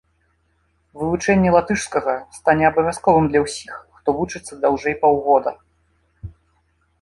Вывучэнне латышскага стане абавязковым для ўсіх, хто вучыцца даўжэй паўгода.